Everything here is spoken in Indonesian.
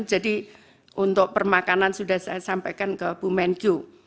jadi untuk permakanan sudah saya sampaikan ke bu menkyu